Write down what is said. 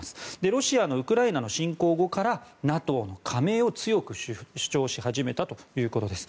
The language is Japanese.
ロシアのウクライナの侵攻後からＮＡＴＯの加盟を強く主張し始めたということです。